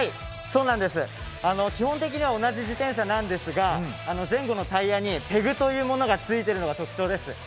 基本的には同じ自転車なんですが、前後のタイヤにペグというものが付いているのが特徴です。